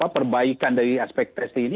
perbaikan dari aspek testing ini